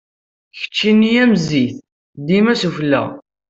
Keččini am zzit, dima s ufella.